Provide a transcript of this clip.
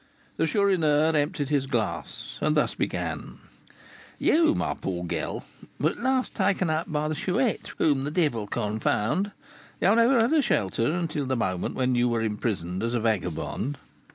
The Chourineur emptied his glass, and thus began: "You, my poor girl, were at last taken to by the Chouette, whom the devil confound! You never had a shelter until the moment when you were imprisoned as a vagabond.